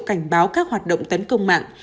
cảnh báo các hoạt động tấn công mạng